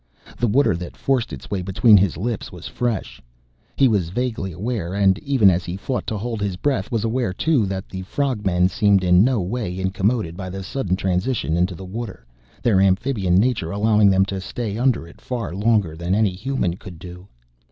The water that forced its way between his lips was fresh, he was vaguely aware, and even as he fought to hold his breath was aware too that the frog men seemed in no way incommoded by the sudden transition into the water, their amphibian nature allowing them to stay under it far longer than any human could do.